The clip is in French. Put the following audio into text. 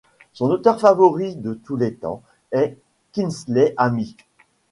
Son auteur favori de tous les temps est Kingsley Amis.